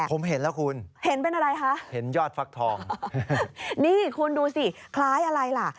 ผมเห็นแล้วคุณเห็นเป็นอะไรคะคุณดูสิคล้ายอะไรล่ะ